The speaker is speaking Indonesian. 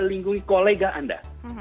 lindungi kolega anda